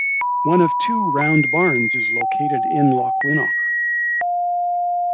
One of two round barns is located in Lochwinnoch.